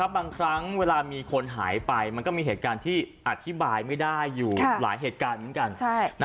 บางครั้งเวลามีคนหายไปมันก็มีเหตุการณ์ที่อธิบายไม่ได้อยู่หลายเหตุการณ์เหมือนกัน